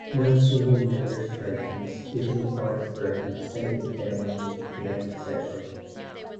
No single member's presence is required for any Second Family jam session.